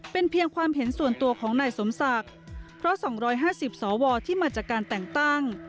เป็นเพียงความเห็นส่วนตัวของนายสมศักดิ์เพราะ๒๕๐สวที่มาจากการแต่งตั้ง